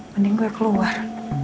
mending gue keluar